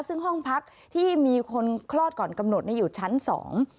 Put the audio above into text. ซึ่งห้องพักที่มีคนคลอดก่อนกำหนดเนี่ยอยู่ชั้นสอง